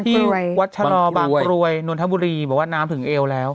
ที่วัดชะลอบางกรวยนนทบุรีบอกว่าน้ำถึงเอวแล้ว